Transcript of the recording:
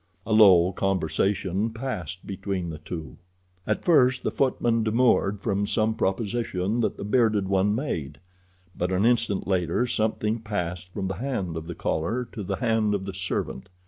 A low conversation passed between the two. At first the footman demurred from some proposition that the bearded one made, but an instant later something passed from the hand of the caller to the hand of the servant.